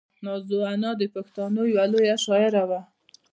نازو انا د پښتنو یوه لویه شاعره وه.